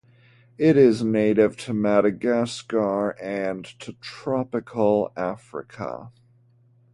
It is native to Madagascar and to tropical Africa.